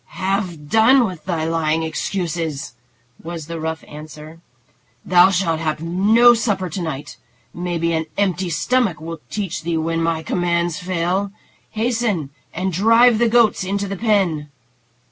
"Have done with thy lying excuses," was the rough answer. "Thou shalt have no supper to night. Maybe an empty stomach will teach thee when my commands fail. Hasten and drive the goats into the pen."